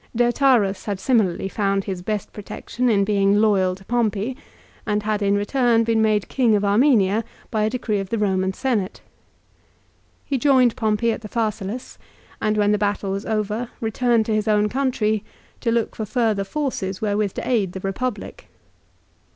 Deiotarus had similarly found his best protection in being loyal to Pompey, and had in return been made King of Armenia by a decree of the Eoman Senate. He joined Pompey at the Pharsalus, and when the battle was over returned to his own country to look for further forces where with to aid the Eepublic.